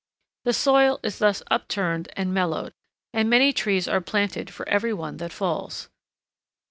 The soil is thus upturned and mellowed, and many trees are planted for every one that falls.